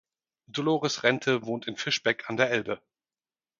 Dolores Rente wohnt in Fischbeck an der Elbe.